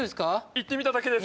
言ってみただけです。